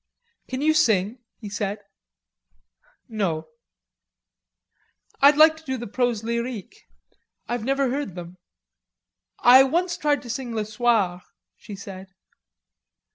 "Can you sing?" he said. "No." "I'd like to do the Proses Lyriques.... I've never heard them." "I once tried to sing Le Soir," she said.